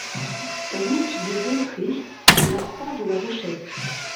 Route des Bons Prés, La Croix-de-la-Rochette